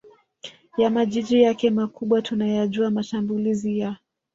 ya majiji yake makubwa Tunayajua mashambulizi ya